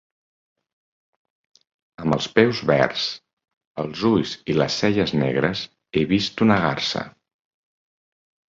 Amb els peus verds, els ulls i les celles negres, he vist una garsa.